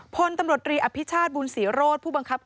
พลตำรวจรีอภิชาศบูลศรีโรศ